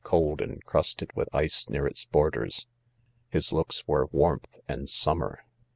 cold and crusted; withice near it& borders.'. His loofes , wer e>warmth and summer.